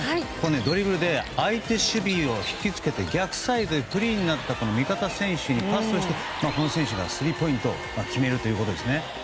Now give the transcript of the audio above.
ドリブルで相手守備を引き付けてクリーンになってパスをしてこの選手がスリーポイントを決めるということです。